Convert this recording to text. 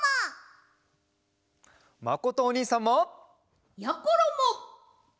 まことおにいさんも！やころも！